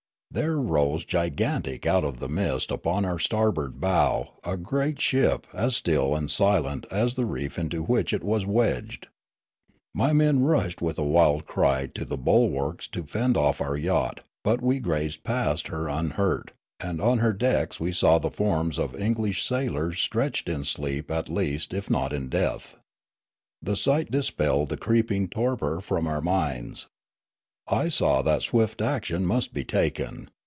There rose gigantic out of the mist upon our starboard bow a great ship as still and silent as the reef into which it was wedged. My men rushed with a wild cry to the bulwarks to fend off our yacht ; but we grazed past her unhurt ; and on her decks we saw the forms of English sailors stretched in sleep at least if not in death. The sight dispelled the creeping torpor from our minds. I saw that swift action must be taken.